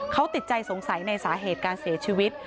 เขาติดใจสงสัยในสาเหตุการเสียชีวิต